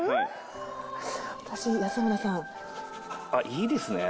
いいですね